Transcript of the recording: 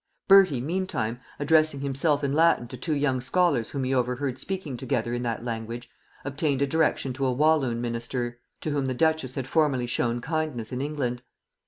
Bertie meantime, addressing himself in Latin to two young scholars whom he overheard speaking together in that language, obtained a direction to a Walloon minister, to whom the duchess had formerly shown kindness in England.